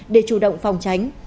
để chủ động phòng tránh